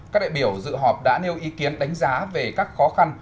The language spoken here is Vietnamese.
các đại biểu dự họp đã nêu ý kiến đánh giá về các khó khăn